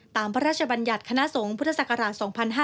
พระราชบัญญัติคณะสงฆ์พุทธศักราช๒๕๕๙